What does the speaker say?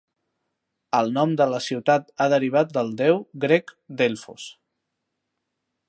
El nom de la ciutat ha derivat del déu grec Delfos.